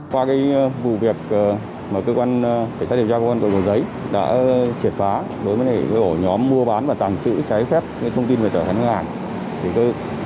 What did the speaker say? qua cái vụ việc mà cơ quan cảnh sát điều tra cơ quan cổ giấy đã triệt phá đối với những nhóm mua bán và tàng trữ trái phép thông tin về tài khoản ngân hàng